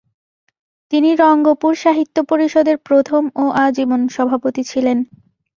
তিনি রঙ্গপুর সাহিত্য পরিষদ এর প্রথম ও আজীবন সভাপতি ছিলেন।